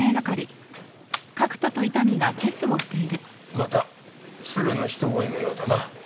また鶴の一声のようだな。